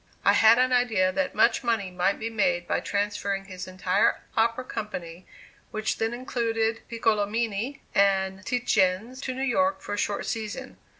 I had an idea that much money might be made by transferring his entire opera company, which then included Piccolomini and Titjiens to New York for a short season.